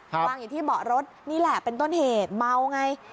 วางอยู่ที่เบาะรถนี่แหละเป็นต้นเหตุเมาไง